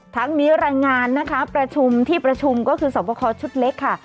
ทั้งนี้รายงานนะคะประชุมที่ประชุมก็คือสวบคอชุดเล็กค่ะ